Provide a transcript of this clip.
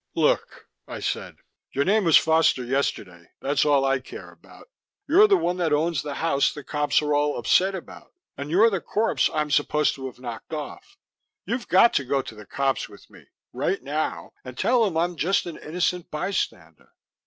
"Look," I said. "Your name was Foster yesterday that's all I care about. You're the one that owns the house the cops are all upset about. And you're the corpse I'm supposed to have knocked off. You've got to go to the cops with me right now and tell them I'm just an innocent bystander."